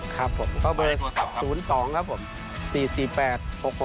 ครับผมก็เบอร์๐๒ครับผม